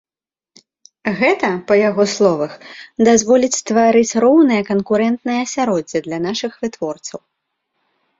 Гэта, па яго словах, дазволіць стварыць роўнае канкурэнтнае асяроддзе для нашых вытворцаў.